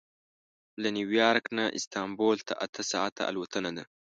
له نیویارک نه استانبول ته اته ساعته الوتنه ده.